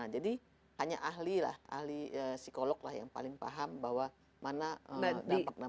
jadi hanya ahli lah ahli psikolog yang paling paham bahwa mana dampak dampak itu